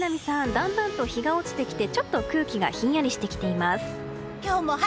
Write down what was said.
だんだんと日が落ちてきてちょっと空気がひんやりしてきています。